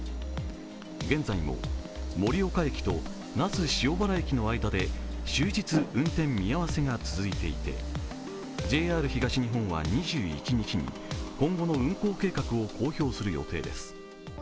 現在も盛岡駅と那須塩原駅の間で終日、運転見合せが続いていてＪＲ東日本は２１日に今後の運行計画を公表する予定です。